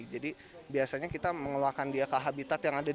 jadi biasanya kita mengeluarkan dia ke habitat yang ada di